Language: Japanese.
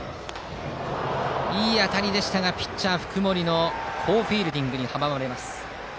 いい当たりでしたがピッチャーの福盛の好フィールディングに阻まれます。